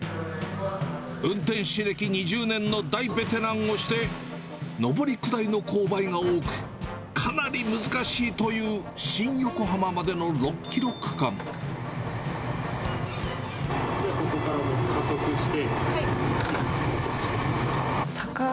運転士歴２０年の大ベテランをして、上り下りの勾配が多く、かなり難しいという新横浜までのここから加速して。